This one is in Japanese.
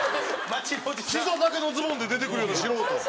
ひざ丈のズボンで出てくるような素人。